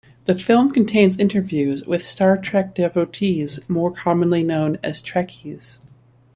The film contains interviews with "Star Trek" devotees, more commonly known as Trekkies.